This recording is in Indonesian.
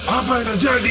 apa yang terjadi